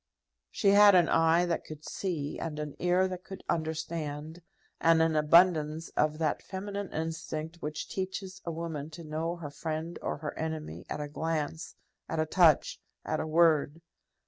She had an eye that could see, and an ear that could understand, and an abundance of that feminine instinct which teaches a woman to know her friend or her enemy at a glance, at a touch, at a word.